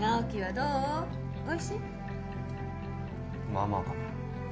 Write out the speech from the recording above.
まあまあかな。